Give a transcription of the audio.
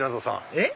えっ？